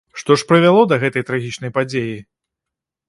Што ж прывяло да гэтай трагічнай падзеі?